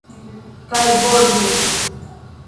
Kaj Borĝes...